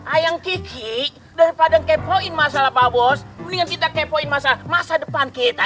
ayang kiki daripada ngepoin masalah pak bos mendingan kita kepoin masa masa depan kita